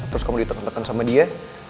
terus kamu diteken teken sama dia